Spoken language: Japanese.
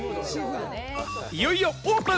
いよいよオープン。